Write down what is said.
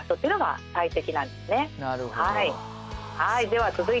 はい。